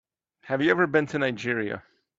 Have you ever been to Nigeria?